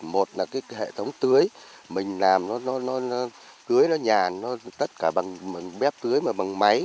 một là hệ thống tưới mình làm nó tưới nó nhàn tất cả bằng bếp tưới mà bằng máy